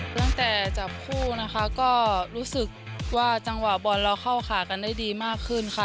ตั้งแต่จับคู่นะคะก็รู้สึกว่าจังหวะบอลเราเข้าขากันได้ดีมากขึ้นค่ะ